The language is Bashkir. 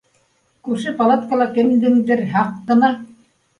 Күрше палаткала кемдеңдер һаҡ ҡына